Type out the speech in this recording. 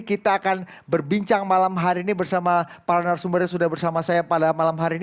kita akan berbincang malam hari ini bersama para narasumber yang sudah bersama saya pada malam hari ini